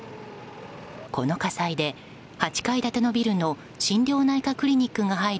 この火災で８階建てのビルの心療内科クリニックが入る